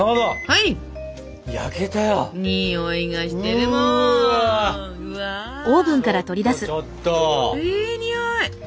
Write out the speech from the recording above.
いいにおい！